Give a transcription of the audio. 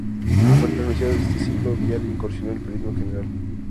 Renunciado de este ciclo, Viale incursionó en el periodismo general.